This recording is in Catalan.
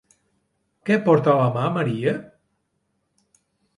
Què porta a la mà Maria?